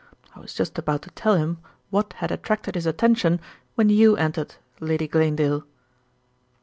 I was just about to tell him what had attracted his attention when you entered, Lady Glanedale."